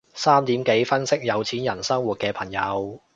三點幾分析有錢人生活嘅朋友